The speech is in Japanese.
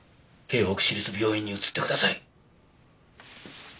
京北市立病院に移ってください。